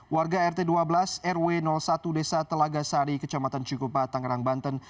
warga rt dua belas rw satu desa telaga sari kecamatan cikupa tangerang banten